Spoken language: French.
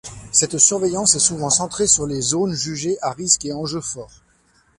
Cette surveillance est souvent centrée sur les zones jugées à risques et enjeux forts.